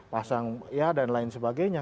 pasang ya dan lain sebagainya